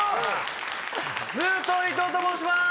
ムートン伊藤と申します。